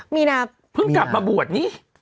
เพิ่งกดมาบวดนี้